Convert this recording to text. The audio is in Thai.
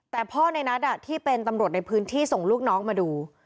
แต่พ่อในนัทที่เป็นตำรวจในพื้นที่ส่งลูกน้องมาดู